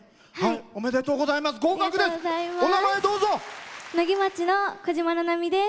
おめでとうございます。